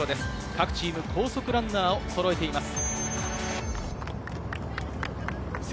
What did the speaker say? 各チーム、高速ランナーをそろえています。